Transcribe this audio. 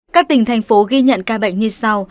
các tỉnh thành phố ghi nhận ca bệnh như sau